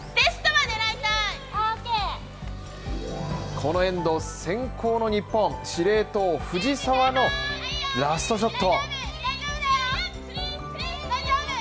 このエンド、先攻の日本司令塔・藤澤のラストショット。